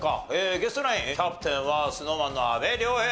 ゲストナインキャプテンはＳｎｏｗＭａｎの阿部亮平君。